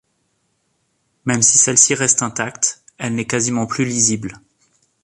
Même si celle-ci reste intacte elle n'est quasiment plus lisible.